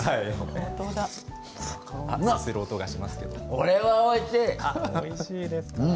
これはおいしい。